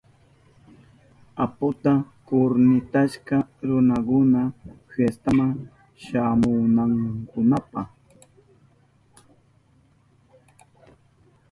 Apuka kurmitashka runakuna fiestama shamunankunapa.